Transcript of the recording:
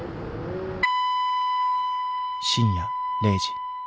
深夜０時。